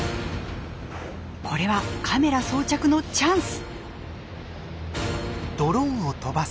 これはカメラ装着のチャンス！